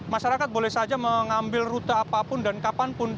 masyarakat boleh saja mengambil rute apapun dan kapanpun